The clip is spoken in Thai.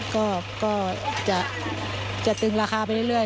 ก็จะตึงราคาไปเรื่อย